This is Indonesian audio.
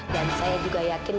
dan saya juga yakin